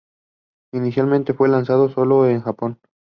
Inicialmente fue lanzado sólo en Japón.